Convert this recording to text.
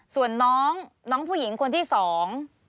ส่วนน้องน้องผู้หญิงคนที่สอง